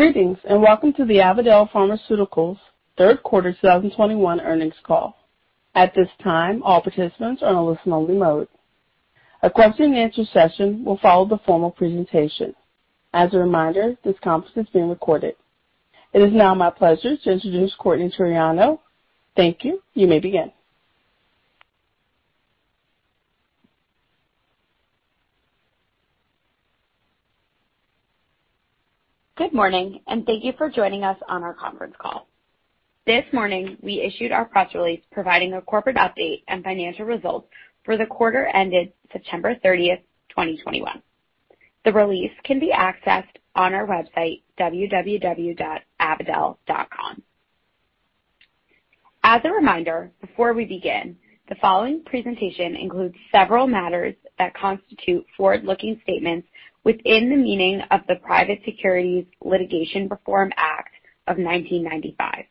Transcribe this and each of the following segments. Greetings, and welcome to the Avadel Pharmaceuticals third quarter 2021 earnings call. At this time, all participants are on a listen-only mode. A question and answer session will follow the formal presentation. As a reminder, this conference is being recorded. It is now my pleasure to introduce Courtney Turiano. Thank you. You may begin. Good morning, and thank you for joining us on our conference call. This morning, we issued our press release providing a corporate update and financial results for the quarter ended September 30, 2021. The release can be accessed on our website, www.avadel.com. As a reminder, before we begin, the following presentation includes several matters that constitute forward-looking statements within the meaning of the Private Securities Litigation Reform Act of 1995.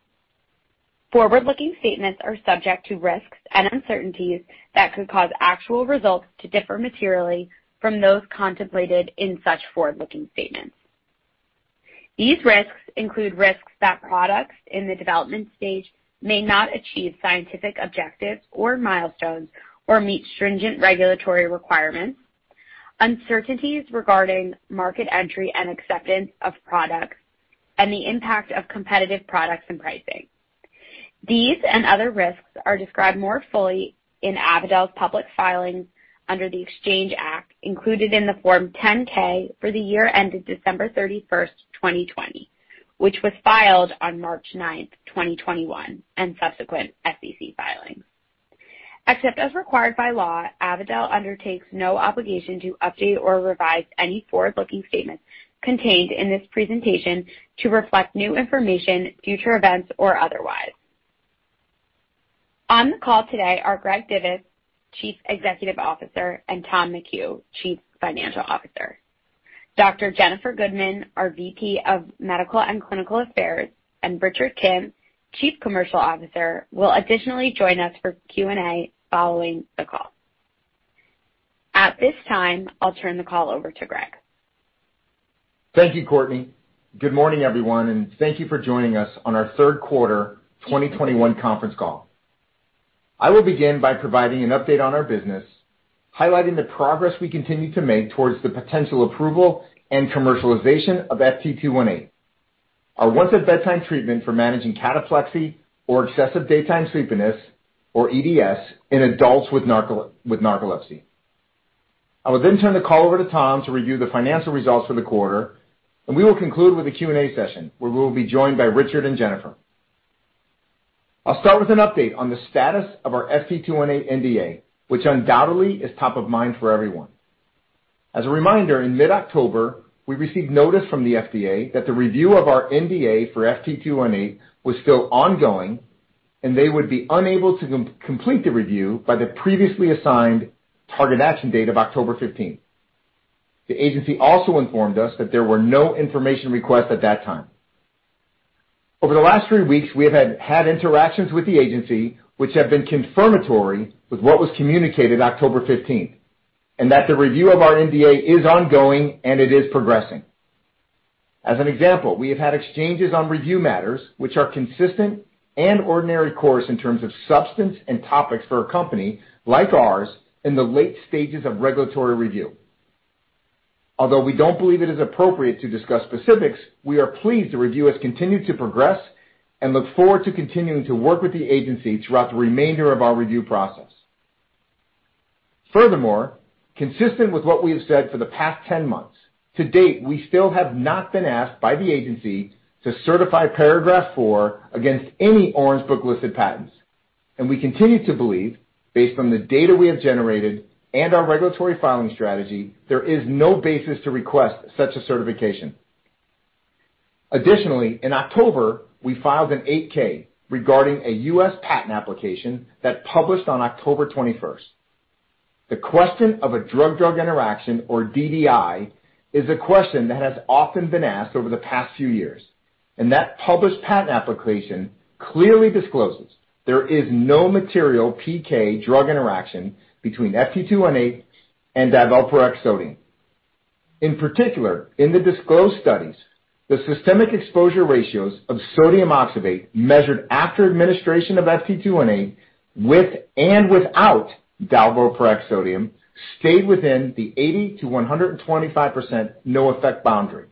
Forward-looking statements are subject to risks and uncertainties that could cause actual results to differ materially from those contemplated in such forward-looking statements. These risks include risks that products in the development stage may not achieve scientific objectives or milestones or meet stringent regulatory requirements, uncertainties regarding market entry and acceptance of products, and the impact of competitive products and pricing. These and other risks are described more fully in Avadel's public filings under the Exchange Act included in the Form 10-K for the year ended December 31, 2020, which was filed on March 9, 2021, and subsequent SEC filings. Except as required by law, Avadel undertakes no obligation to update or revise any forward-looking statements contained in this presentation to reflect new information, future events, or otherwise. On the call today are Greg Divis, Chief Executive Officer, and Tom McHugh, Chief Financial Officer. Dr. Jennifer Gudeman, our VP of Medical and Clinical Affairs, and Richard Kim, Chief Commercial Officer, will additionally join us for Q&A following the call. At this time, I'll turn the call over to Greg. Thank you, Courtney. Good morning, everyone, and thank you for joining us on our third quarter 2021 conference call. I will begin by providing an update on our business, highlighting the progress we continue to make towards the potential approval and commercialization of FT218, our once-at-bedtime treatment for managing cataplexy or excessive daytime sleepiness, or EDS, in adults with narcolepsy. I will then turn the call over to Tom to review the financial results for the quarter, and we will conclude with a Q&A session, where we will be joined by Richard and Jennifer. I'll start with an update on the status of our FT218 NDA, which undoubtedly is top of mind for everyone. As a reminder, in mid-October, we received notice from the FDA that the review of our NDA for FT218 was still ongoing, and they would be unable to complete the review by the previously assigned target action date of October 15th. The agency also informed us that there were no information requests at that time. Over the last three weeks, we have had interactions with the agency which have been confirmatory with what was communicated October 15th, and that the review of our NDA is ongoing, and it is progressing. As an example, we have had exchanges on review matters which are consistent and ordinary course in terms of substance and topics for a company like ours in the late stages of regulatory review. Although we don't believe it is appropriate to discuss specifics, we are pleased the review has continued to progress and look forward to continuing to work with the agency throughout the remainder of our review process. Furthermore, consistent with what we have said for the past 10 months, to date, we still have not been asked by the agency to certify Paragraph IV against any Orange Book listed patents. We continue to believe, based on the data we have generated and our regulatory filing strategy, there is no basis to request such a certification. Additionally, in October, we filed an 8-K regarding a U.S. patent application that published on October 21st. The question of a drug-drug interaction, or DDI, is a question that has often been asked over the past few years, and that published patent application clearly discloses there is no material PK drug interaction between FT218 and divalproex sodium. In particular, in the disclosed studies, the systemic exposure ratios of sodium oxybate measured after administration of FT218 with and without divalproex sodium stayed within the 80%-125% no effect boundary.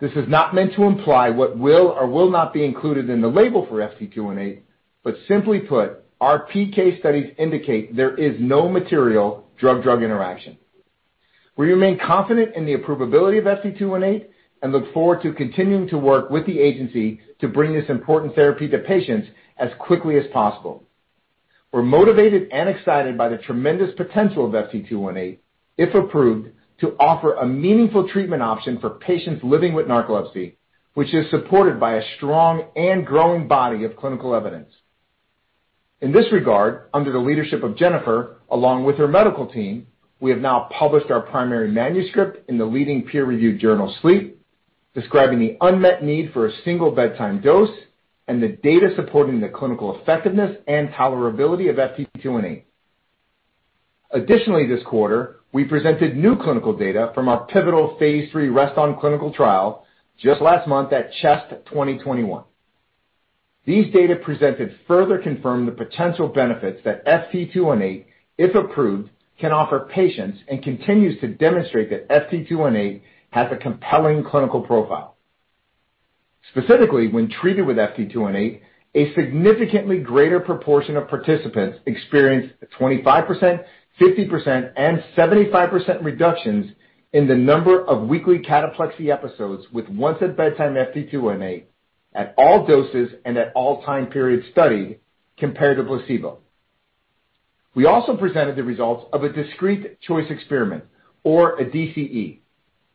This is not meant to imply what will or will not be included in the label for FT218, but simply put, our PK studies indicate there is no material drug-drug interaction. We remain confident in the approvability of FT218 and look forward to continuing to work with the agency to bring this important therapy to patients as quickly as possible. We're motivated and excited by the tremendous potential of FT218, if approved, to offer a meaningful treatment option for patients living with narcolepsy, which is supported by a strong and growing body of clinical evidence. In this regard, under the leadership of Jennifer, along with her medical team, we have now published our primary manuscript in the leading peer-reviewed journal, SLEEP, describing the unmet need for a single bedtime dose and the data supporting the clinical effectiveness and tolerability of FT218. Additionally, this quarter, we presented new clinical data from our pivotal phase III REST-ON clinical trial just last month at CHEST 2021. These data presented further confirm the potential benefits that FT218, if approved, can offer patients, and continues to demonstrate that FT218 has a compelling clinical profile. Specifically, when treated with FT218, a significantly greater proportion of participants experienced 25%, 50%, and 75% reductions in the number of weekly cataplexy episodes with once-at-bedtime FT218 at all doses and at all time periods studied, compared to placebo. We also presented the results of a discrete choice experiment, or a DCE,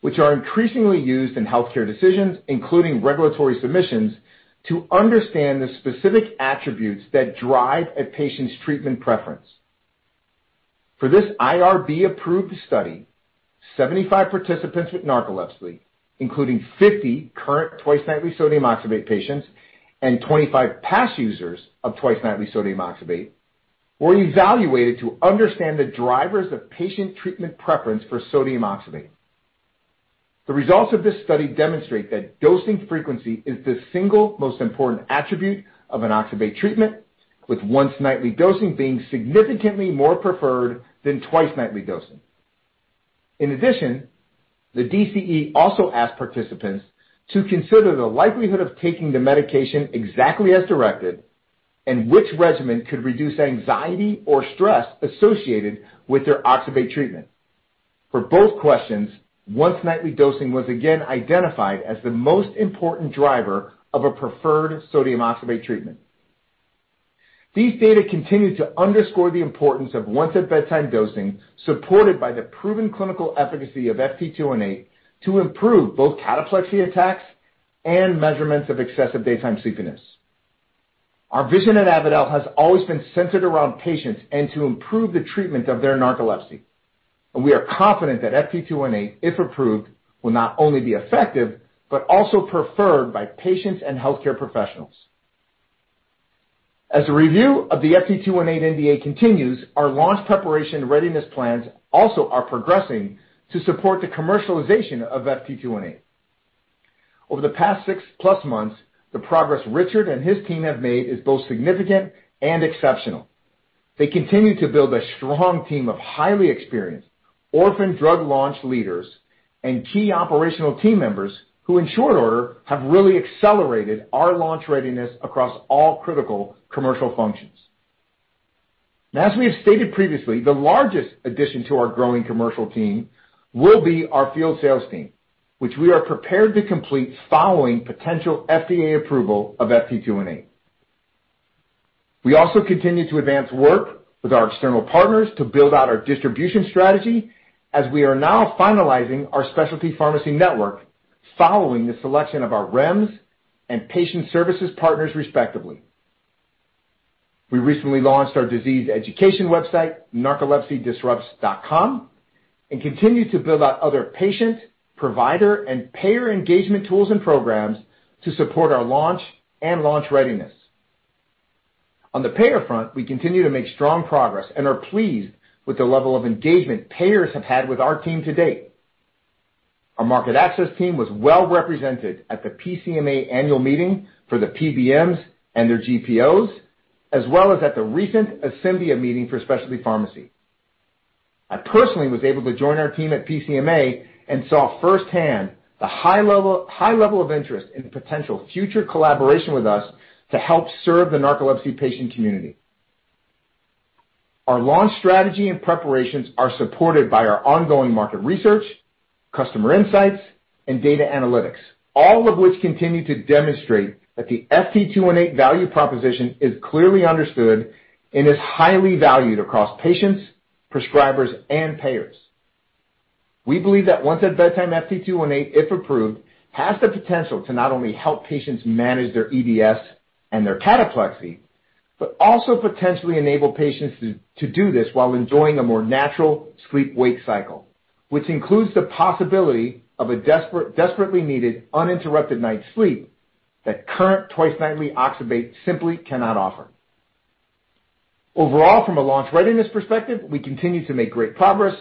which are increasingly used in healthcare decisions, including regulatory submissions, to understand the specific attributes that drive a patient's treatment preference. For this IRB-approved study, 75 participants with narcolepsy, including 50 current twice-nightly sodium oxybate patients and 25 past users of twice-nightly sodium oxybate, were evaluated to understand the drivers of patient treatment preference for sodium oxybate. The results of this study demonstrate that dosing frequency is the single most important attribute of an oxybate treatment, with once-nightly dosing being significantly more preferred than twice-nightly dosing. In addition, the DCE also asked participants to consider the likelihood of taking the medication exactly as directed and which regimen could reduce anxiety or stress associated with their oxybate treatment. For both questions, once-nightly dosing was again identified as the most important driver of a preferred sodium oxybate treatment. These data continue to underscore the importance of once-at-bedtime dosing, supported by the proven clinical efficacy of FT218 to improve both cataplexy attacks and measurements of excessive daytime sleepiness. Our vision at Avadel has always been centered around patients and to improve the treatment of their narcolepsy, and we are confident that FT218, if approved, will not only be effective but also preferred by patients and healthcare professionals. As the review of the FT218 NDA continues, our launch preparation readiness plans also are progressing to support the commercialization of FT218. Over the past six-plus months, the progress Richard and his team have made is both significant and exceptional. They continue to build a strong team of highly experienced orphan drug launch leaders and key operational team members who, in short order, have really accelerated our launch readiness across all critical commercial functions. As we have stated previously, the largest addition to our growing commercial team will be our field sales team, which we are prepared to complete following potential FDA approval of FT218. We also continue to advance work with our external partners to build out our distribution strategy as we are now finalizing our specialty pharmacy network following the selection of our REMS and patient services partners, respectively. We recently launched our disease education website, narcolepsydisrupts.com, and continue to build out other patient, provider, and payer engagement tools and programs to support our launch and launch readiness. On the payer front, we continue to make strong progress and are pleased with the level of engagement payers have had with our team to date. Our market access team was well represented at the PCMA Annual Meeting for the PBMs and their GPOs, as well as at the recent Asembia meeting for specialty pharmacy. I personally was able to join our team at PCMA and saw firsthand the high level of interest in potential future collaboration with us to help serve the narcolepsy patient community. Our launch strategy and preparations are supported by our ongoing market research, customer insights, and data analytics, all of which continue to demonstrate that the FT218 value proposition is clearly understood and is highly valued across patients, prescribers, and payers. We believe that once-at-bedtime FT218, if approved, has the potential to not only help patients manage their EDS and their cataplexy, but also potentially enable patients to do this while enjoying a more natural sleep-wake cycle, which includes the possibility of a desperately needed, uninterrupted night's sleep that current twice-nightly oxybate simply cannot offer. Overall, from a launch readiness perspective, we continue to make great progress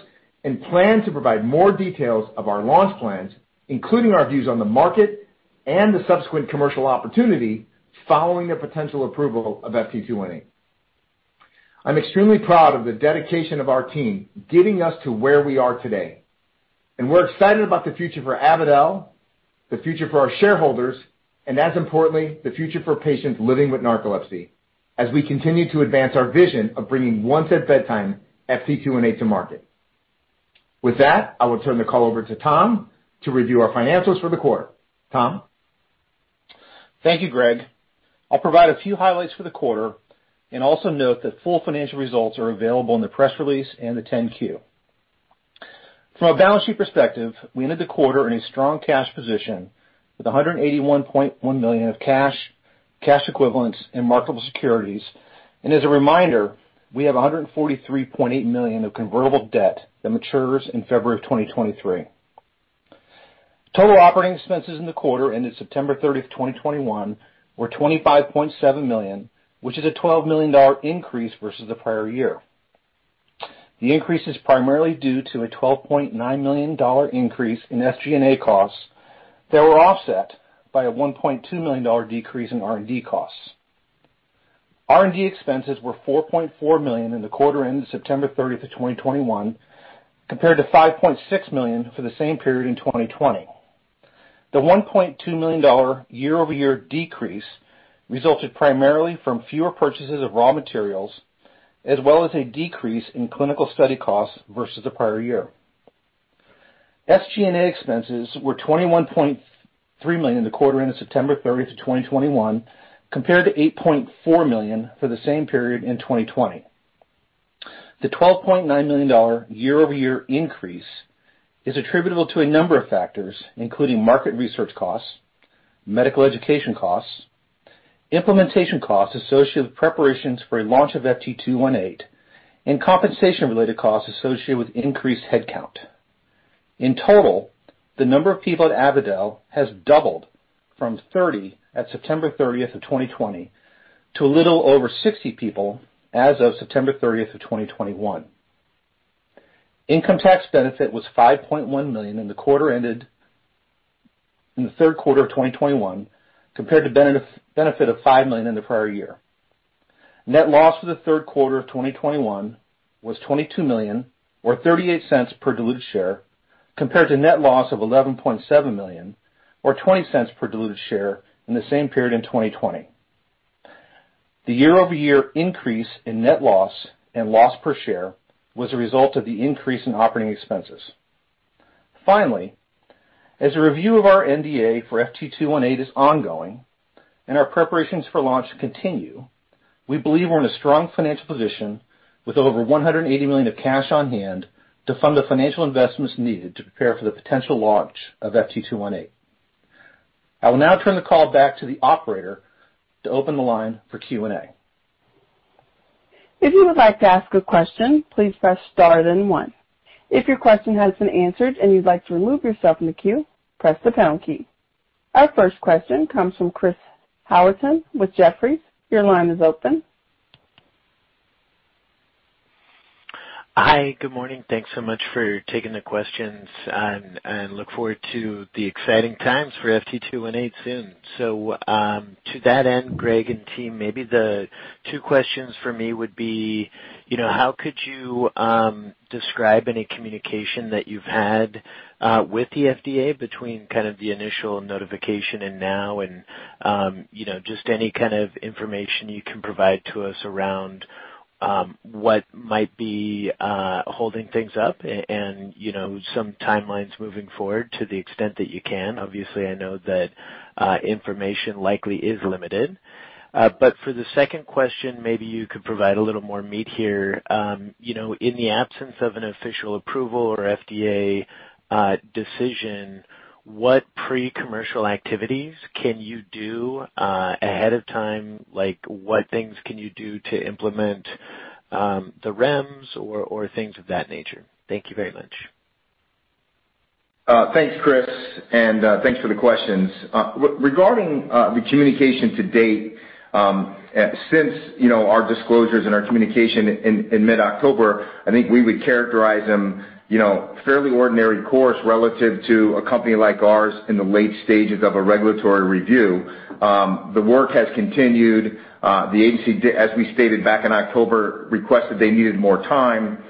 and plan to provide more details of our launch plans, including our views on the market and the subsequent commercial opportunity following the potential approval of FT218. I'm extremely proud of the dedication of our team getting us to where we are today, and we're excited about the future for Avadel, the future for our shareholders, and as importantly, the future for patients living with narcolepsy as we continue to advance our vision of bringing once-at-bedtime FT218 to market. With that, I will turn the call over to Tom to review our financials for the quarter. Tom? Thank you, Greg. I'll provide a few highlights for the quarter and also note that full financial results are available in the press release and the 10-Q. From a balance sheet perspective, we ended the quarter in a strong cash position with $181.1 million of cash equivalents, and marketable securities. As a reminder, we have $143.8 million of convertible debt that matures in February 2023. Total operating expenses in the quarter ended September 30, 2021 were $25.7 million, which is a $12 million increase versus the prior year. The increase is primarily due to a $12.9 million increase in SG&A costs that were offset by a $1.2 million decrease in R&D costs. R&D expenses were $4.4 million in the quarter ending September 30, 2021, compared to $5.6 million for the same period in 2020. The $1.2 million year-over-year decrease resulted primarily from fewer purchases of raw materials, as well as a decrease in clinical study costs versus the prior year. SG&A expenses were $21.3 million in the quarter ending September 30, 2021, compared to $8.4 million for the same period in 2020. The $12.9 million year-over-year increase is attributable to a number of factors, including market research costs, medical education costs, implementation costs associated with preparations for a launch of FT218, and compensation-related costs associated with increased headcount. In total, the number of people at Avadel has doubled from 30 at September 30, 2020 to a little over 60 people as of September 30, 2021. Income tax benefit was $5.1 million in the quarter ended in the third quarter of 2021, compared to benefit of $5 million in the prior year. Net loss for the third quarter of 2021 was $22 million or $0.38 per diluted share, compared to net loss of $11.7 million or $0.20 per diluted share in the same period in 2020. The year-over-year increase in net loss and loss per share was a result of the increase in operating expenses. Finally, as a review of our NDA for FT218 is ongoing and our preparations for launch continue, we believe we're in a strong financial position with over $180 million of cash on hand to fund the financial investments needed to prepare for the potential launch of FT218. I will now turn the call back to the operator to open the line for Q&A. If you would like to ask a question, please press star then one. If your question has been answered and you'd like to remove yourself from the queue, press the pound key. Our first question comes from Chris Howerton with Jefferies. Your line is open. Hi, good morning. Thanks so much for taking the questions and look forward to the exciting times for FT218 soon. To that end, Greg and team, maybe the two questions for me would be, you know, how could you describe any communication that you've had with the FDA between kind of the initial notification and now? You know, just any kind of information you can provide to us around what might be holding things up and some timelines moving forward to the extent that you can. Obviously, I know that information likely is limited, but for the second question, maybe you could provide a little more meat here. You know, in the absence of an official approval or FDA decision, what pre-commercial activities can you do ahead of time? Like, what things can you do to implement the REMS or things of that nature? Thank you very much. Thanks, Chris, and thanks for the questions. Regarding the communication to date, since, you know, our disclosures and our communication in mid-October, I think we would characterize them, you know, fairly ordinary course relative to a company like ours in the late stages of a regulatory review. The work has continued. The agency, as we stated back in October, requested they needed more time,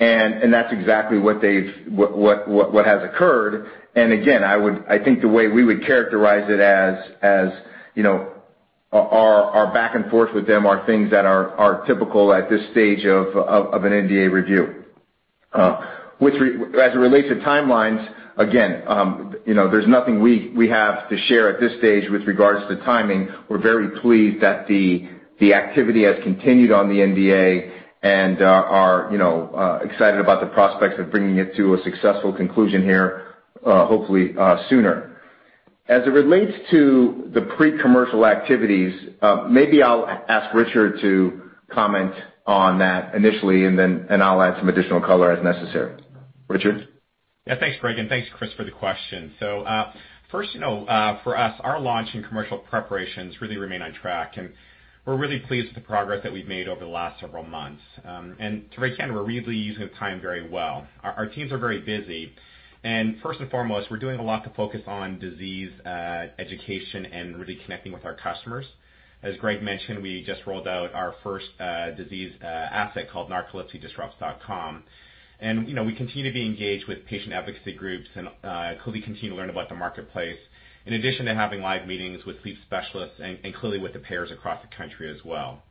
and that's exactly what has occurred. I think the way we would characterize it as, you know, our back and forth with them are things that are typical at this stage of an NDA review. As it relates to timelines, again, you know, there's nothing we have to share at this stage with regards to timing. We're very pleased that the activity has continued on the NDA and are, you know, excited about the prospects of bringing it to a successful conclusion here, hopefully, sooner. As it relates to the pre-commercial activities, maybe I'll ask Richard to comment on that initially, and then I'll add some additional color as necessary. Richard? Yeah, thanks, Greg, and thanks, Chris for the question. So, first, you know, for us, our launch and commercial preparations really remain on track, and we're really pleased with the progress that we've made over the last several months. To recap, we're really using the time very well. Our teams are very busy. First and foremost, we're doing a lot to focus on disease education and really connecting with our customers. As Greg mentioned, we just rolled out our first disease asset called narcolepsydisrupts.com. You know, we continue to be engaged with patient advocacy groups and clearly continue to learn about the marketplace, in addition to having live meetings with sleep specialists and clearly with the payers across the country as well.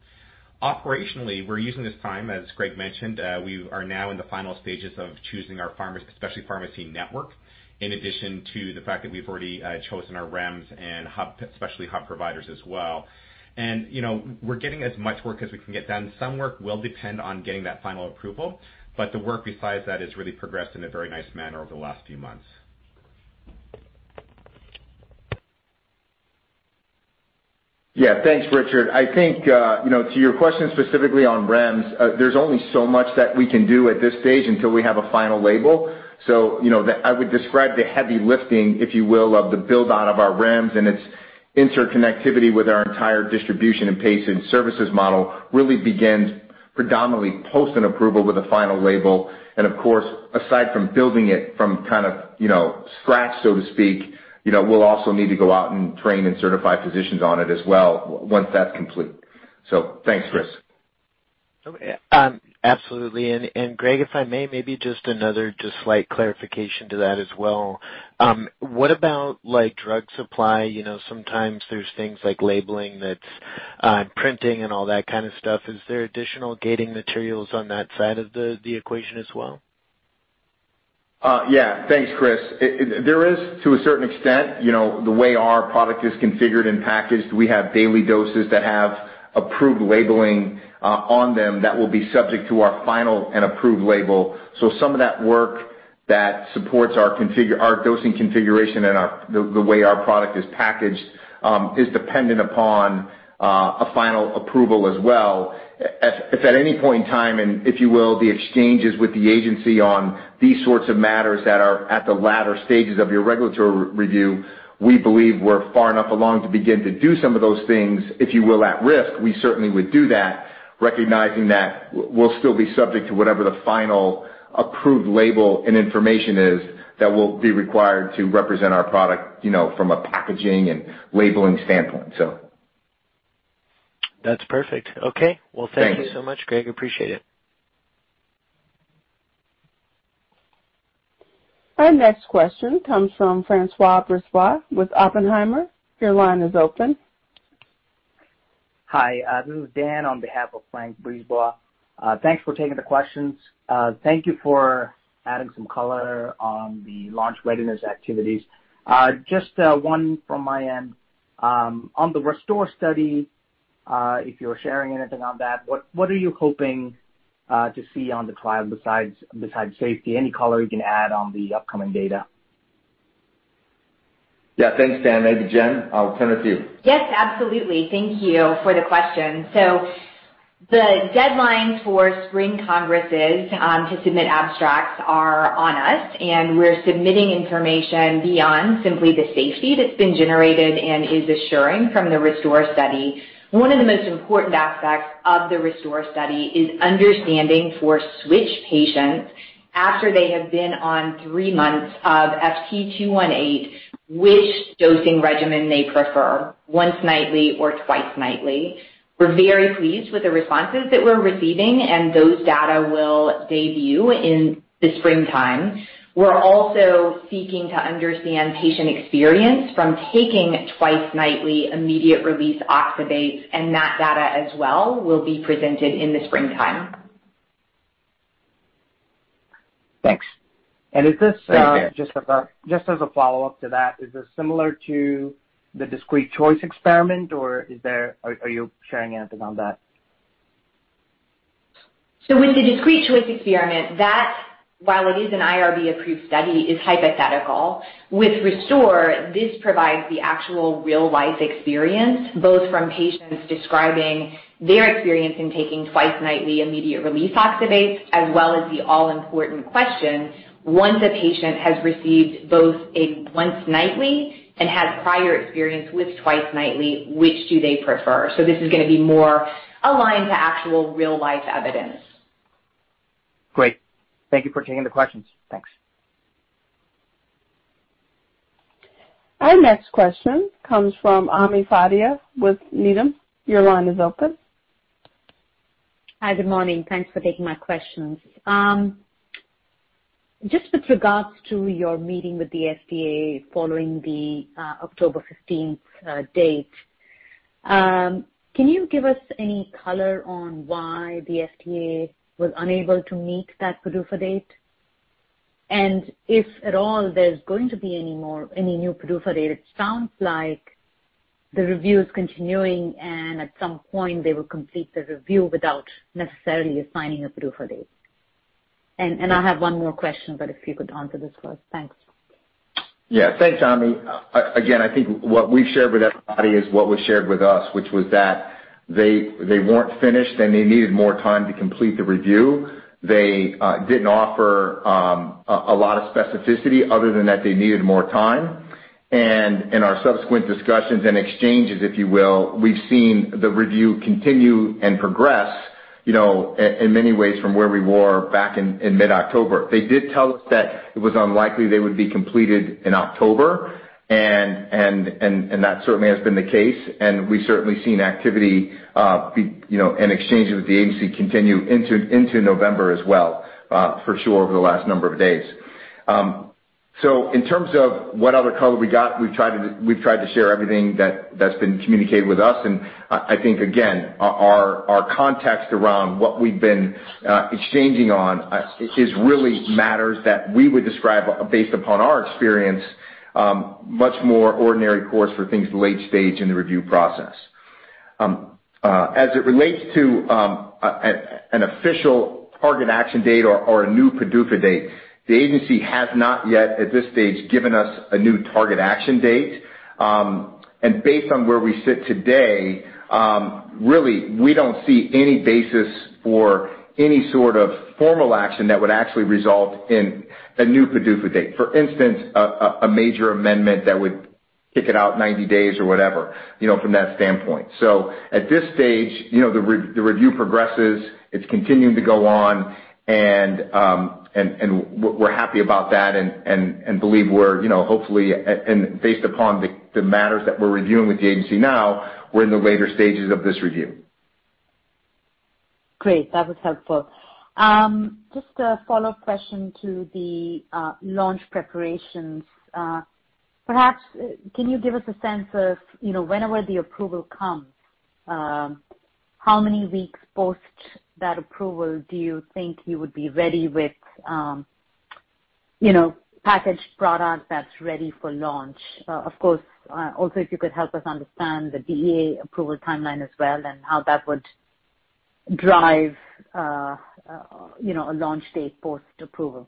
Operationally, we're using this time, as Greg mentioned, we are now in the final stages of choosing our specialty pharmacy network, in addition to the fact that we've already chosen our REMS and hub, specialty hub providers as well. You know, we're getting as much work as we can get done. Some work will depend on getting that final approval, but the work besides that has really progressed in a very nice manner over the last few months. Yeah. Thanks, Richard. I think, you know, to your question specifically on REMS, there's only so much that we can do at this stage until we have a final label. I would describe the heavy lifting, if you will, of the build out of our REMS and its interconnectivity with our entire distribution and patient services model really begins predominantly post an approval with a final label. Of course, aside from building it from kind of, you know, scratch, so to speak, you know, we'll also need to go out and train and certify physicians on it as well once that's complete. Thanks, Chris. Absolutely. Greg, if I may, maybe another slight clarification to that as well. What about, like, drug supply? You know, sometimes there's things like labeling that's printing and all that kind of stuff. Is there additional gating materials on that side of the equation as well? Yeah. Thanks, Chris. There is to a certain extent, you know, the way our product is configured and packaged, we have daily doses that have approved labeling on them that will be subject to our final and approved label. Some of that work that supports our dosing configuration and the way our product is packaged is dependent upon a final approval as well. If at any point in time and if you will, the exchanges with the agency on these sorts of matters that are at the latter stages of your regulatory review, we believe we're far enough along to begin to do some of those things, if you will, at risk. We certainly would do that, recognizing that we'll still be subject to whatever the final approved label and information is that will be required to represent our product, you know, from a packaging and labeling standpoint. That's perfect. Okay. Thanks. Well, thank you so much, Greg. Appreciate it. Our next question comes from Francois Brisebois with Oppenheimer. Your line is open. Hi, this is Dan on behalf of Francois Brisebois. Thanks for taking the questions. Thank you for adding some color on the launch readiness activities. Just one from my end. On the RESTORE study, if you're sharing anything on that, what are you hoping to see on the trial besides safety? Any color you can add on the upcoming data? Yeah. Thanks, Dan. Maybe Jen, I'll turn it to you. Yes, absolutely. Thank you for the question. The deadlines for spring congresses to submit abstracts are on us, and we're submitting information beyond simply the safety that's been generated and is assuring from the RESTORE study. One of the most important aspects of the RESTORE study is understanding for switch patients after they have been on three months of FT218, which dosing regimen they prefer, once-nightly or twice-nightly. We're very pleased with the responses that we're receiving, and those data will debut in the springtime. We're also seeking to understand patient experience from taking twice-nightly immediate release oxybates, and that data as well will be presented in the springtime. Thanks. Is this? Thanks, Dan. Just as a follow-up to that, is this similar to the discrete choice experiment, or are you sharing anything on that? with the discrete choice experiment, that, while it is an IRB-approved study, is hypothetical. With RESTORE, this provides the actual real-life experience, both from patients describing their experience in taking twice-nightly immediate release oxybates, as well as the all-important question: once a patient has received both a once-nightly and has prior experience with twice-nightly, which do they prefer? this is gonna be more aligned to actual real-life evidence. Great. Thank you for taking the questions. Thanks. Our next question comes from Ami Fadia with Needham. Your line is open. Hi. Good morning. Thanks for taking my questions. Just with regards to your meeting with the FDA following the October 15th date, can you give us any color on why the FDA was unable to meet that PDUFA date? If at all there's going to be any more, any new PDUFA date. It sounds like the review is continuing, and at some point they will complete the review without necessarily assigning a PDUFA date. I have one more question, but if you could answer this first. Thanks. Yeah. Thanks, Ami. Again, I think what we've shared with everybody is what was shared with us, which was that they weren't finished and they needed more time to complete the review. They didn't offer a lot of specificity other than that they needed more time. In our subsequent discussions and exchanges, if you will, we've seen the review continue and progress, you know, in many ways from where we were back in mid-October. They did tell us that it was unlikely they would be completed in October and that certainly has been the case, and we've certainly seen activity and exchanges with the agency continue into November as well, for sure over the last number of days. In terms of what other color we got, we've tried to share everything that's been communicated with us. I think, again, our context around what we've been exchanging on is really a matter that we would describe based upon our experience, much more ordinary course for things late stage in the review process. As it relates to an official target action date or a new PDUFA date, the agency has not yet, at this stage, given us a new target action date. Based on where we sit today, really, we don't see any basis for any sort of formal action that would actually result in a new PDUFA date. For instance, a major amendment that would kick it out 90 days or whatever, you know, from that standpoint. At this stage, you know, the review progresses. It's continuing to go on and we're happy about that and believe we're, you know, hopefully and based upon the matters that we're reviewing with the agency now, we're in the later stages of this review. Great. That was helpful. Just a follow-up question to the launch preparations. Perhaps can you give us a sense of, you know, whenever the approval comes, how many weeks post that approval do you think you would be ready with, you know, packaged product that's ready for launch? Of course, also, if you could help us understand the DEA approval timeline as well and how that would drive, you know, a launch date post-approval.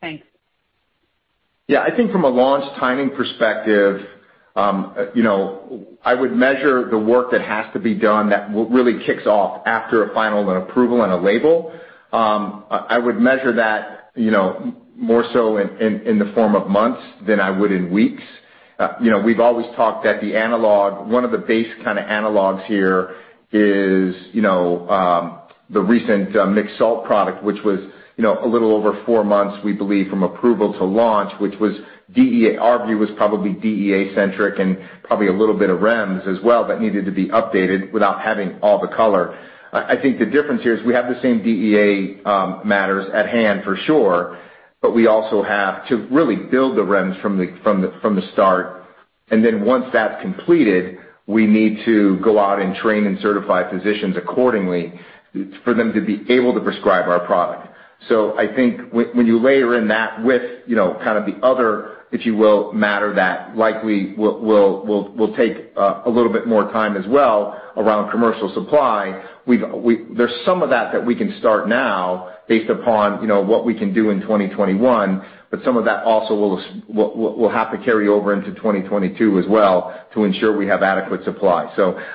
Thanks. Yeah. I think from a launch timing perspective, you know, I would measure the work that has to be done that really kicks off after a final and approval and a label. I would measure that, you know, more so in the form of months than I would in weeks. You know, we've always talked that the analog, one of the base kind of analogs here is, you know, the recent mixed-salt product, which was, you know, a little over four months, we believe, from approval to launch, which was DEA. Our view was probably DEA-centric and probably a little bit of REMS as well that needed to be updated without having all the color. I think the difference here is we have the same DEA matters at hand for sure, but we also have to really build the REMS from the start. Then once that's completed, we need to go out and train and certify physicians accordingly for them to be able to prescribe our product. I think when you layer in that with, you know, kind of the other, if you will, matter that likely will take a little bit more time as well around commercial supply, there's some of that that we can start now based upon, you know, what we can do in 2021, but some of that also will have to carry over into 2022 as well to ensure we have adequate supply.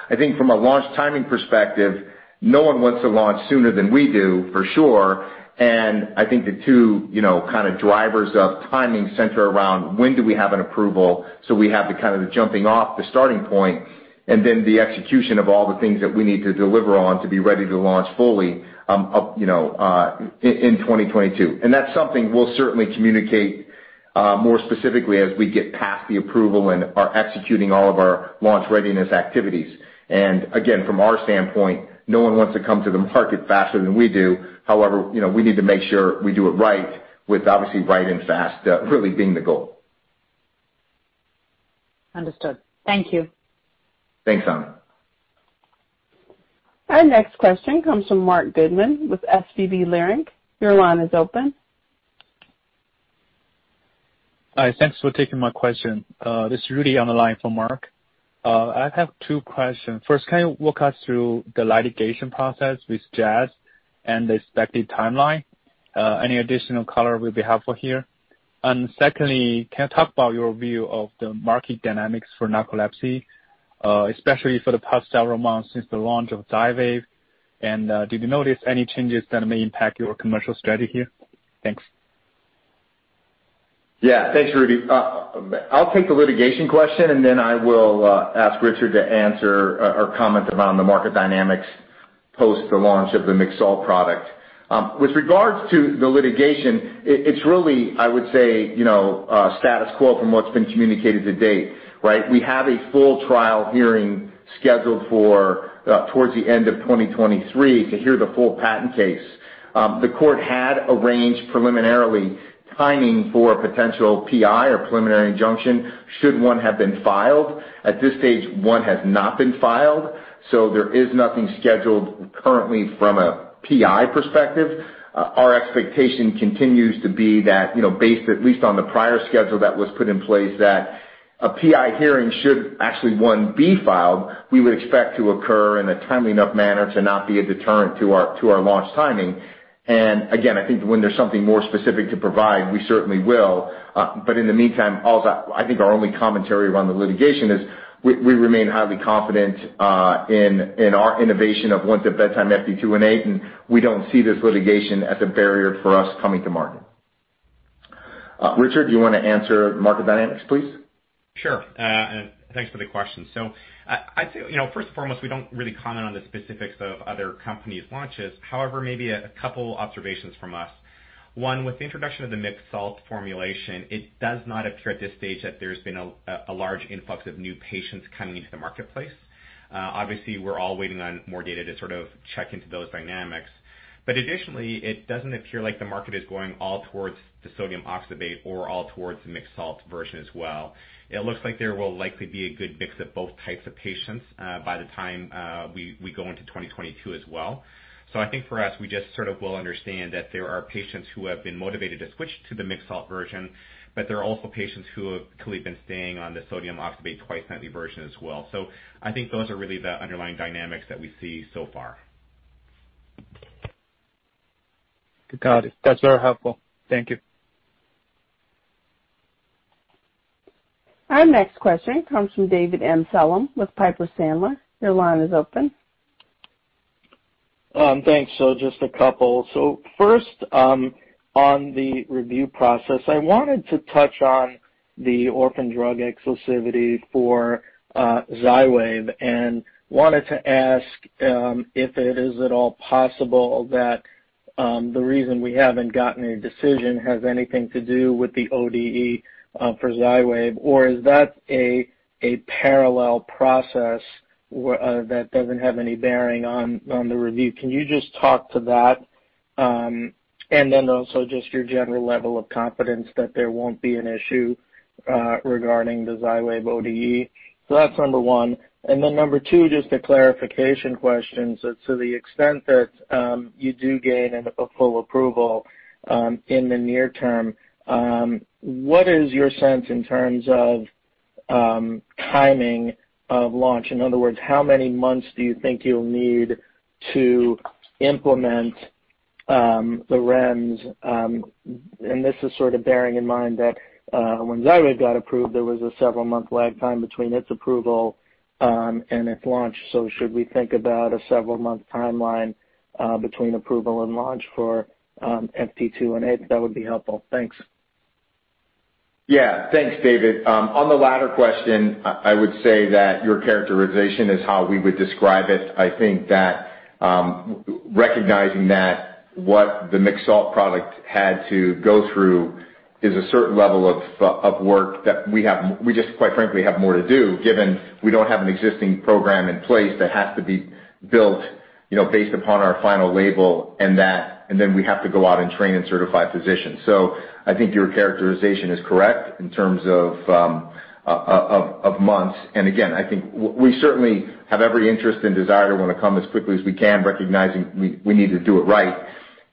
I think from a launch timing perspective, no one wants to launch sooner than we do, for sure. I think the two, you know, kind of drivers of timing center around when do we have an approval, so we have the kind of the jumping off the starting point, and then the execution of all the things that we need to deliver on to be ready to launch fully up in 2022. That's something we'll certainly communicate more specifically as we get past the approval and are executing all of our launch readiness activities. Again, from our standpoint, no one wants to come to the market faster than we do. However, you know, we need to make sure we do it right with obviously right and fast really being the goal. Understood. Thank you. Thanks, Ami. Our next question comes from Marc Goodman with SVB Leerink. Your line is open. Hi, thanks for taking my question. This is Rudy on the line for Mark. I have two questions. First, can you walk us through the litigation process with Jazz and the expected timeline? Any additional color will be helpful here. Secondly, can you talk about your view of the market dynamics for narcolepsy, especially for the past several months since the launch of LUMRYZ? Did you notice any changes that may impact your commercial strategy here? Thanks. Yeah. Thanks, Rudy. I'll take the litigation question, and then I will ask Richard to answer or comment around the market dynamics post the launch of the mixed-salt product. With regards to the litigation, it's really, I would say, you know, status quo from what's been communicated to date, right? We have a full trial hearing scheduled for towards the end of 2023 to hear the full patent case. The court had arranged preliminarily timing for a potential PI or preliminary injunction should one have been filed. At this stage, one has not been filed, so there is nothing scheduled currently from a PI perspective. Our expectation continues to be that, you know, based at least on the prior schedule that was put in place, that a PI hearing should actually once be filed, we would expect to occur in a timely enough manner to not be a deterrent to our launch timing. Again, I think when there's something more specific to provide, we certainly will. In the meantime, also I think our only commentary around the litigation is we remain highly confident in our innovation of once-at-bedtime FT218, and we don't see this litigation as a barrier for us coming to market. Richard, do you wanna answer market dynamics, please? Sure. Thanks for the question. I'd say, you know, first and foremost, we don't really comment on the specifics of other companies' launches. However, maybe a couple observations from us. One, with the introduction of the mixed-salt formulation, it does not appear at this stage that there's been a large influx of new patients coming into the marketplace. Obviously, we're all waiting on more data to sort of check into those dynamics. Additionally, it doesn't appear like the market is going all towards the sodium oxybate or all towards the mixed-salt version as well. It looks like there will likely be a good mix of both types of patients, by the time we go into 2022 as well. I think for us, we just sort of well understand that there are patients who have been motivated to switch to the mixed-salt version, but there are also patients who have clearly been staying on the sodium oxybate twice-nightly version as well. I think those are really the underlying dynamics that we see so far. Got it. That's very helpful. Thank you. Our next question comes from David Amsellem with Piper Sandler. Your line is open. Thanks. Just a couple. First, on the review process, I wanted to touch on the Orphan Drug Exclusivity for XYWAV, and wanted to ask if it is at all possible that the reason we haven't gotten a decision has anything to do with the ODE for XYWAV? Or is that a parallel process that doesn't have any bearing on the review? Can you just talk to that, and then also just your general level of confidence that there won't be an issue regarding the XYWAV ODE? That's number one. Number two, just a clarification question. To the extent that you do gain a full approval in the near term, what is your sense in terms of timing of launch? In other words, how many months do you think you'll need to implement the REMS? This is sort of bearing in mind that, when XYWAV got approved, there was a several-month lag time between its approval and its launch. Should we think about a several-month timeline between approval and launch for FT218? That would be helpful. Thanks. Yeah. Thanks, David. On the latter question, I would say that your characterization is how we would describe it. I think that recognizing that what the mixed-salt product had to go through is a certain level of work that we just, quite frankly, have more to do, given we don't have an existing program in place that has to be built, you know, based upon our final label and that, and then we have to go out and train and certify physicians. I think your characterization is correct in terms of months. Again, I think we certainly have every interest and desire to want to come as quickly as we can, recognizing we need to do it right.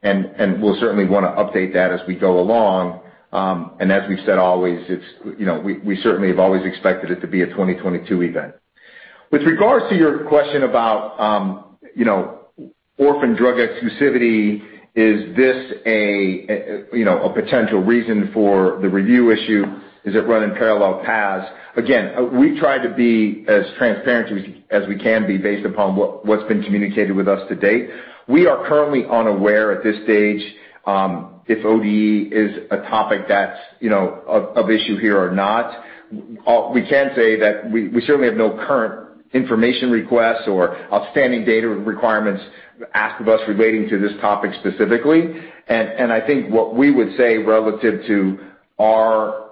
We'll certainly wanna update that as we go along. As we've said always, it's, you know, we certainly have always expected it to be a 2022 event. With regards to your question about, you know, orphan drug exclusivity, is this a, you know, a potential reason for the review issue? Is it running parallel paths? Again, we try to be as transparent as we can be based upon what's been communicated with us to date. We are currently unaware at this stage, if ODE is a topic that's, you know, of issue here or not. We can say that we certainly have no current information requests or outstanding data requirements asked of us relating to this topic specifically. I think what we would say relative to our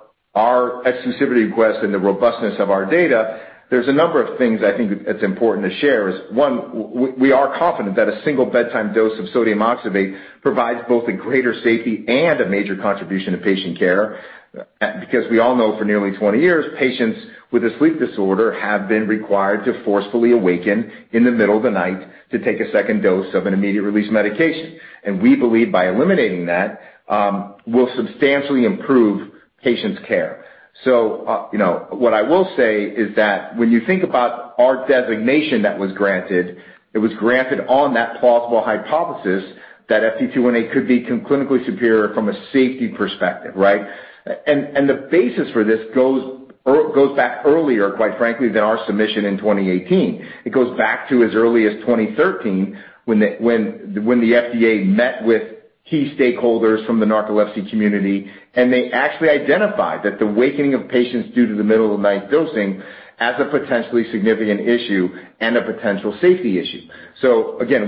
exclusivity request and the robustness of our data, there's a number of things I think it's important to share, one, we are confident that a single bedtime dose of sodium oxybate provides both a greater safety and a major contribution to patient care. Because we all know for nearly 20 years, patients with a sleep disorder have been required to forcefully awaken in the middle of the night to take a second dose of an immediate-release medication. We believe by eliminating that, we'll substantially improve patients' care. You know, what I will say is that when you think about our designation that was granted, it was granted on that plausible hypothesis that FT218 could be clinically superior from a safety perspective, right? The basis for this goes back earlier, quite frankly, than our submission in 2018. It goes back to as early as 2013 when the FDA met with key stakeholders from the narcolepsy community, and they actually identified that the awakening of patients due to the middle of the night dosing as a potentially significant issue and a potential safety issue.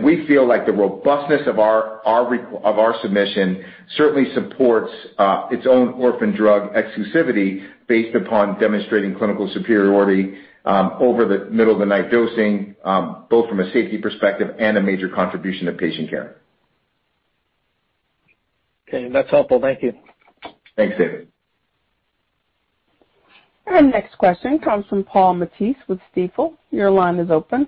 We feel like the robustness of our submission certainly supports its own orphan drug exclusivity based upon demonstrating clinical superiority over the middle of the night dosing, both from a safety perspective and a major contribution to patient care. Okay, that's helpful. Thank you. Thanks, David. Our next question comes from Paul Matteis with Stifel. Your line is open.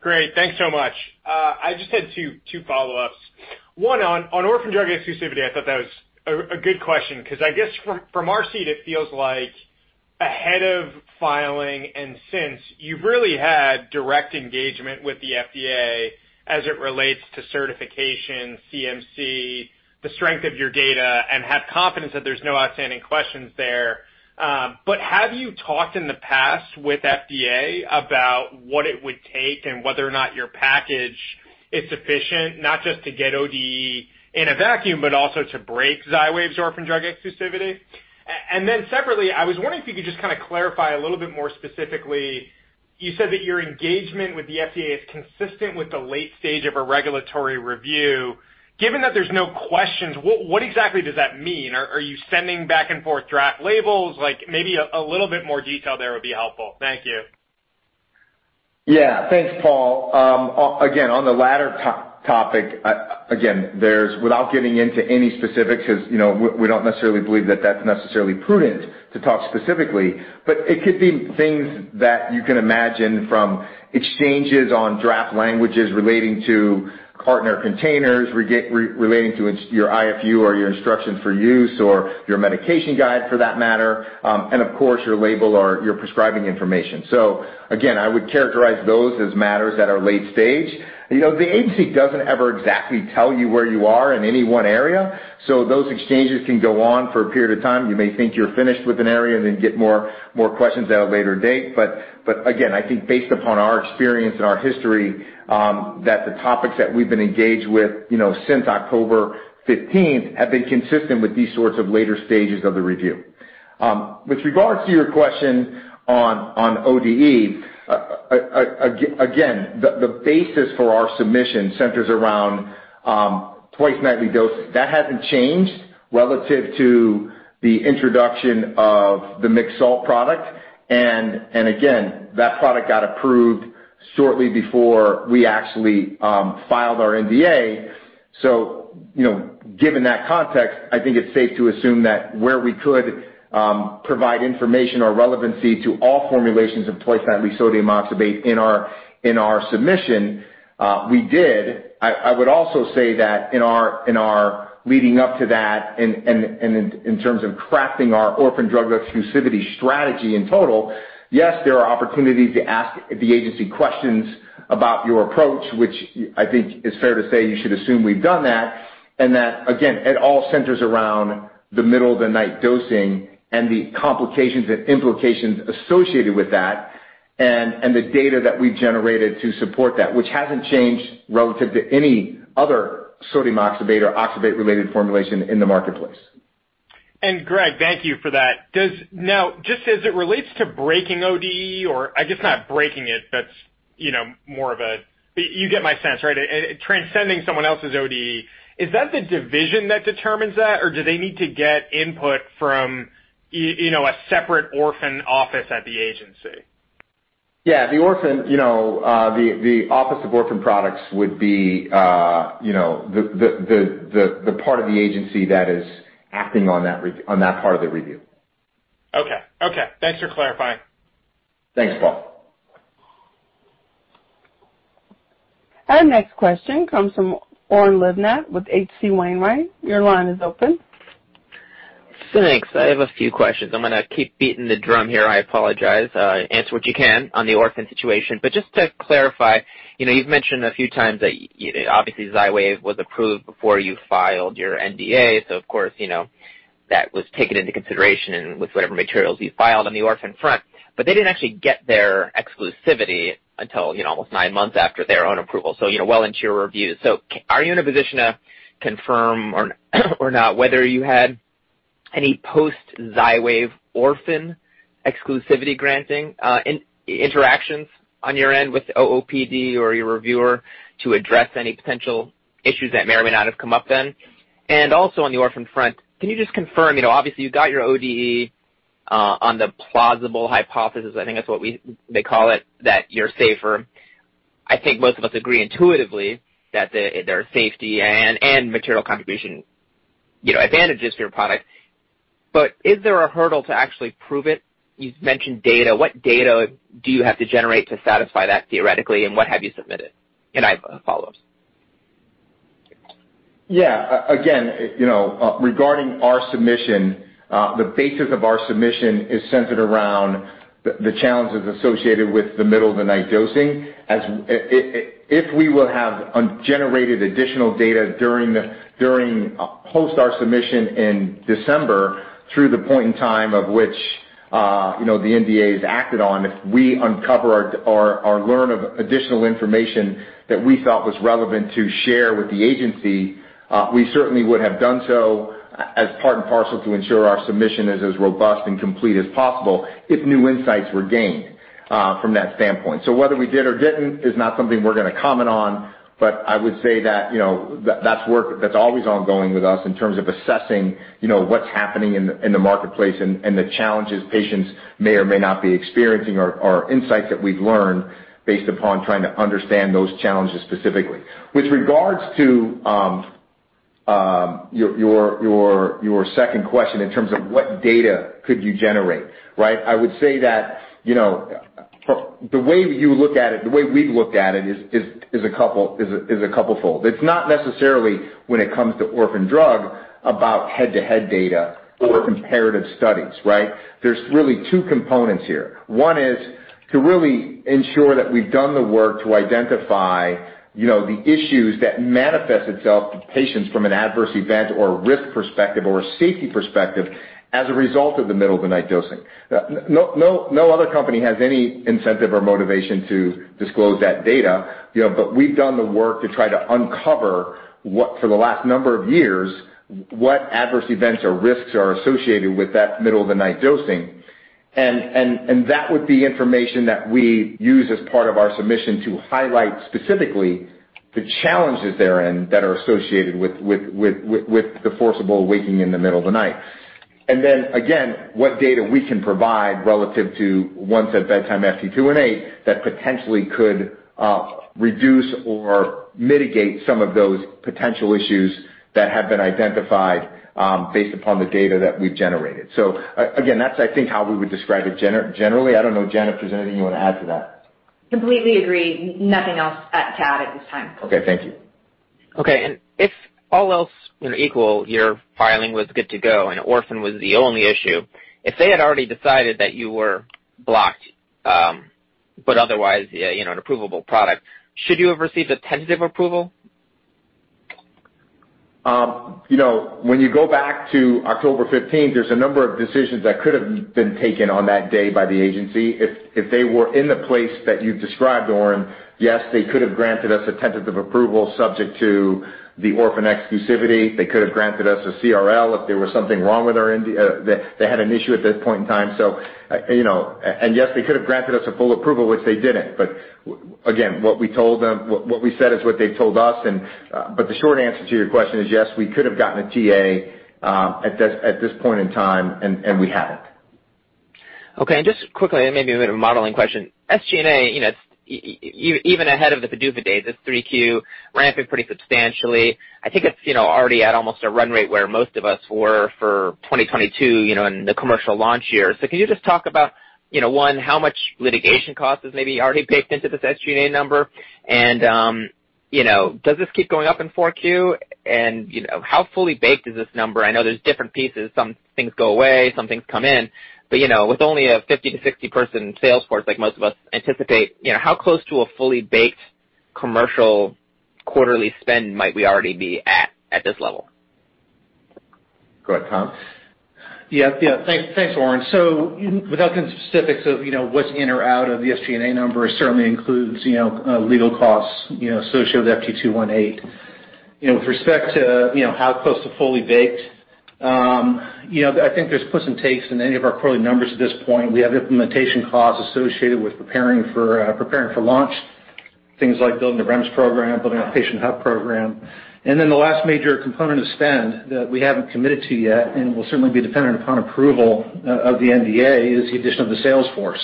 Great. Thanks so much. I just had two follow-ups. One, on orphan drug exclusivity, I thought that was a good question 'cause I guess from our seat, it feels like ahead of filing and since, you've really had direct engagement with the FDA as it relates to certification, CMC, the strength of your data and have confidence that there's no outstanding questions there. But have you talked in the past with FDA about what it would take and whether or not your package is sufficient, not just to get ODE in a vacuum, but also to break XYWAV's orphan drug exclusivity? And then separately, I was wondering if you could just kinda clarify a little bit more specifically, you said that your engagement with the FDA is consistent with the late stage of a regulatory review. Given that there's no questions, what exactly does that mean? Are you sending back and forth draft labels? Like, maybe a little bit more detail there would be helpful. Thank you. Yeah. Thanks, Paul. Again, on the latter topic, again, there's without getting into any specifics because, you know, we don't necessarily believe that that's necessarily prudent to talk specifically. But it could be things that you can imagine from exchanges on draft languages relating to partner containers, relating to in your IFU or your instruction for use or your medication guide for that matter, and of course, your label or your prescribing information. Again, I would characterize those as matters that are late stage. The agency doesn't ever exactly tell you where you are in any one area, so those exchanges can go on for a period of time. You may think you're finished with an area and then get more questions at a later date. Again, I think based upon our experience and our history, that the topics that we've been engaged with, you know, since October 15th have been consistent with these sorts of later stages of the review. With regards to your question on ODE, again, the basis for our submission centers around twice-nightly dosing. That hasn't changed relative to the introduction of the mixed-salt product. Again, that product got approved shortly before we actually filed our NDA. You know, given that context, I think it's safe to assume that where we could provide information or relevancy to all formulations of twice-nightly sodium oxybate in our submission, we did. I would also say that in our leading up to that and in terms of crafting our orphan drug exclusivity strategy in total, yes, there are opportunities to ask the agency questions about your approach, which I think is fair to say you should assume we've done that. That, again, it all centers around the middle of the night dosing and the complications and implications associated with that and the data that we've generated to support that, which hasn't changed relative to any other sodium oxybate or oxybate-related formulation in the marketplace. Greg, thank you for that. Now, just as it relates to breaking ODE, or I guess not breaking it, that's, you know, more of a. You get my sense, right? Transcending someone else's ODE, is that the division that determines that or do they need to get input from, you know, a separate orphan office at the agency? Yeah. The orphan, you know, the Office of Orphan Products would be, you know, the part of the agency that is acting on that part of the review. Okay. Thanks for clarifying. Thanks, Paul. Our next question comes from Oren Livnat with HC Wainwright. Your line is open. Thanks. I have a few questions. I'm gonna keep beating the drum here. I apologize. Answer what you can on the orphan situation. Just to clarify, you know, you've mentioned a few times that you know, obviously, XYWAV was approved before you filed your NDA, so of course, you know, that was taken into consideration with whatever materials you filed on the orphan front. They didn't actually get their exclusivity until, you know, almost nine months after their own approval, so, you know, well into your review. Are you in a position to confirm or not whether you had any post-XYWAV orphan exclusivity granting interactions on your end with OOPD or your reviewer to address any potential issues that may or may not have come up then? Also on the orphan front, can you just confirm, you know, obviously you've got your ODE on the plausible hypothesis, I think that's what they call it, that you're safer. I think most of us agree intuitively that there are safety and material contribution, you know, advantages to your product. But is there a hurdle to actually prove it? You've mentioned data. What data do you have to generate to satisfy that theoretically, and what have you submitted? I have follow-ups. Yeah. Again, you know, regarding our submission, the basis of our submission is centered around the challenges associated with the middle of the night dosing. As if we will have generated additional data during post our submission in December through the point in time of which, you know, the NDA is acted on, if we uncover or learn of additional information that we felt was relevant to share with the agency, we certainly would have done so as part and parcel to ensure our submission is as robust and complete as possible if new insights were gained, from that standpoint. Whether we did or didn't is not something we're gonna comment on, but I would say that, you know, that's work that's always ongoing with us in terms of assessing, you know, what's happening in the marketplace and the challenges patients may or may not be experiencing or insights that we've learned based upon trying to understand those challenges specifically. With regards to your second question in terms of what data could you generate, right? I would say that, you know, the way you look at it, the way we've looked at it is a couple fold. It's not necessarily when it comes to orphan drug about head-to-head data or comparative studies, right? There's really two components here. One is to really ensure that we've done the work to identify, you know, the issues that manifest itself to patients from an adverse event or risk perspective or a safety perspective as a result of the middle of the night dosing. No other company has any incentive or motivation to disclose that data, you know, but we've done the work to try to uncover what, for the last number of years, what adverse events or risks are associated with that middle of the night dosing. That would be information that we use as part of our submission to highlight specifically the challenges therein that are associated with the forcible waking in the middle of the night. What data we can provide relative to once-at-bedtime FT218 that potentially could reduce or mitigate some of those potential issues that have been identified based upon the data that we've generated. Again, that's I think how we would describe it generally. I don't know, Jen, if there's anything you want to add to that. Completely agree. Nothing else to add at this time. Okay. Thank you. Okay. If all else, you know, equal, your filing was good to go and orphan was the only issue, if they had already decided that you were blocked, but otherwise, you know, an approvable product, should you have received a tentative approval? You know, when you go back to October 15th, there's a number of decisions that could have been taken on that day by the agency. If they were in the place that you described, Oren, yes, they could have granted us a tentative approval subject to the orphan exclusivity. They could have granted us a CRL if there was something wrong with our NDA. They had an issue at this point in time. Yes, they could have granted us a full approval, which they didn't. Again, what we told them, what we said is what they told us. The short answer to your question is yes, we could have gotten a TA at this point in time, and we haven't. Okay. Just quickly, maybe a bit of a modeling question. SG&A, you know, even ahead of the PDUFA date, this 3Q ramping pretty substantially. I think it's, you know, already at almost a run rate where most of us were for 2022, you know, in the commercial launch year. Can you just talk about, you know, one, how much litigation cost is maybe already baked into this SG&A number? And, you know, does this keep going up in 4Q? And, you know, how fully baked is this number? I know there's different pieces. Some things go away, some things come in. But, you know, with only a 50-60 person sales force, like most of us anticipate, you know, how close to a fully baked commercial quarterly spend might we already be at this level? Go ahead, Tom. Thanks, Oren. Without getting into specifics of, you know, what's in or out of the SG&A number, it certainly includes, you know, legal costs, you know, associated with FT218. You know, with respect to, you know, how close to fully baked, you know, I think there's pluses and minuses in any of our quarterly numbers at this point. We have implementation costs associated with preparing for launch, things like building a REMS program, building a patient hub program. Then the last major component of spend that we haven't committed to yet and will certainly be dependent upon approval of the NDA is the addition of the sales force.